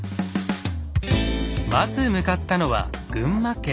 まず向かったのは群馬県。